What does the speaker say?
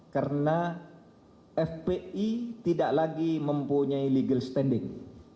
karena fpi tidak lagi mempunyai legal standing